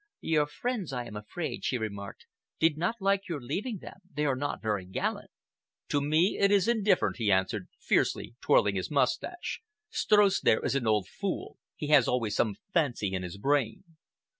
"Your friends, I am afraid," she remarked, "did not like your leaving them. They are not very gallant." "To me it is indifferent," he answered, fiercely twirling his moustache. "Streuss there is an old fool. He has always some fancy in his brain."